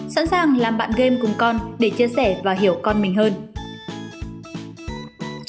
sẵn sàng làm bạn game cùng con để chia sẻ và hiểu về các trò chơi nhập vai